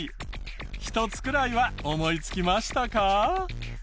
１つくらいは思いつきましたか？